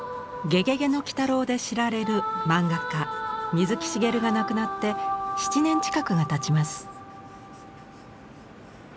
「ゲゲゲの鬼太郎」で知られる漫画家水木しげるが亡くなって７年近くがたちます。